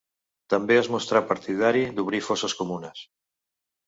També es mostrà partidari d'obrir fosses comunes.